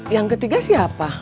yang ketiga siapa